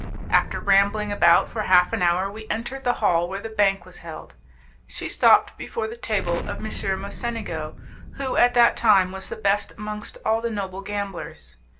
After rambling about for half an hour, we entered the hall where the bank was held. She stopped before the table of M. Mocenigo, who at that time was the best amongst all the noble gamblers.